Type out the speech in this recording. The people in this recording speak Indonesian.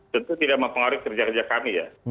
tentu tidak mempengaruhi kerja kerja kami ya